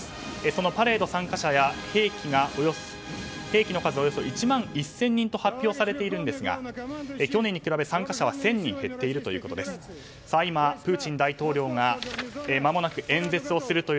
そのパレード参加者や兵器の数はおよそ１万１０００人と発表されているんですが去年に比べ参加者は１０００人減っていると。